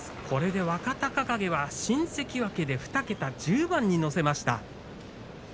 これで若隆景は新関脇で２桁１０番に乗せました。